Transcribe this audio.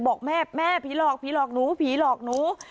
บอกแม่แม่ผีหลอกผีหลอกหนูผีหลอกหนู